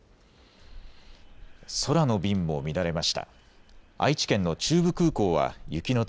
空の便も乱れました。